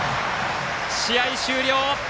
試合終了！